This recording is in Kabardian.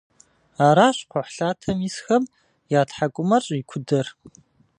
Аращ кхъухьлъатэм исхэм я тхьэкӏумэр щӏикудэр.